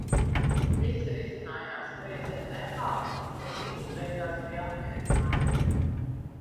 Viss risinājās trieciena tempā un visi beigās bij apmierināti.